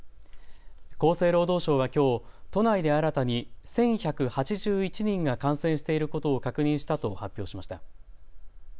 厚生労働省はきょう都内で新たに１１８１人が感染していることを確認したと発表しました。